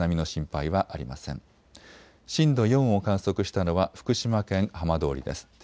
震度４を観測したのは福島県浜通りです。